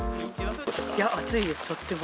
いや、暑いです、とっても。